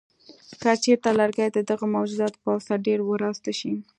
که چېرته لرګي د دغه موجوداتو په واسطه ډېر وراسته شي.